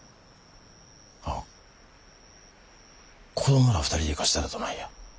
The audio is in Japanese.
あっ子供ら２人で行かせたらどないや。